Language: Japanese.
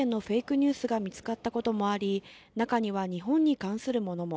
ニュースが見つかったこともあり、中には日本に関するものも。